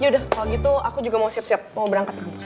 yaudah kalo gitu aku juga mau siap siap mau berangkat kampus